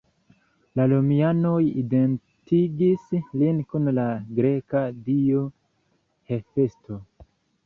La romianoj identigis lin kun la greka dio Hefesto.